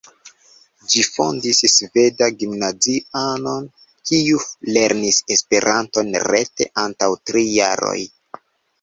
Ĝin fondis sveda gimnaziano, kiu lernis Esperanton rete antaŭ tri jaroj.